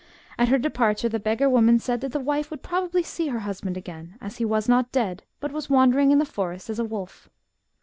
At her departure the beggar woman said that the wife would probably see her husband again, as he was not dead. FOLK LORE RELATING TO WERE WOLVES. 109 but was wandering in the forest as a wolf.